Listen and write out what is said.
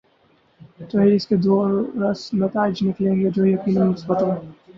تو اس کے دوررس نتائج نکلیں گے جو یقینا مثبت ہوں۔